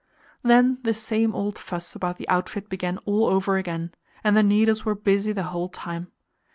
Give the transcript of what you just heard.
Then the same old fuss about the outfit began all over again, and the needles were busy the whole time.